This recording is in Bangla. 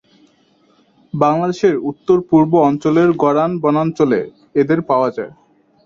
বাংলাদেশের উত্তর-পূর্ব অঞ্চলের গরান বনাঞ্চলে এদের পাওয়া যায়।